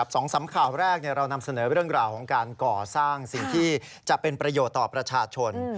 สองสามข่าวแรกเรานำเสนอเรื่องราวของการก่อสร้างสิ่งที่จะเป็นประโยชน์ต่อประชาชน